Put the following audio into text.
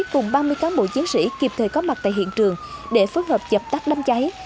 cùng ba mươi cán bộ chiến sĩ kịp thời có mặt tại hiện trường để phối hợp dập tắt đám cháy